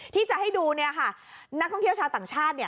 ที่จะให้ดูเนี่ยค่ะนักท่องเที่ยวชาวต่างชาติ